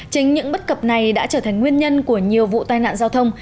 chính những bất cập này đã trở thành nguyên nhân của nhiều vụ tai nạn giao thông